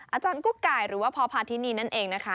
อาจารย์กุ๊กไก่หรือว่าพอพาทินีนั่นเองนะคะ